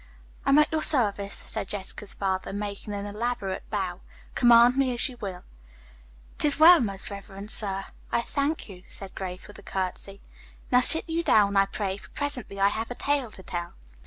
"I am at your service," said Jessica's father, making her an elaborate bow. "Command me as you will." "'Tis well, most reverend sir. I thank you," said Grace, with a curtsy. "Now sit you down, I pray, for presently I have a tale to tell."